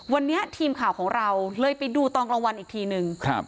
วันนี้ทีมข่าวของเราเลยไปดูตอนกลางวันอีกทีนึงครับ